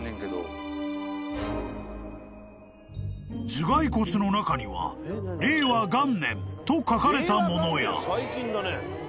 ［頭蓋骨の中には「令和元年」と書かれたものや］